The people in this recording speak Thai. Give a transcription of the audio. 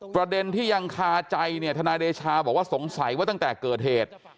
ประเด็นที่ยังคาใจเนี่ยทนายเดชาบอกว่าสงสัยว่าตั้งแต่เกิดเหตุ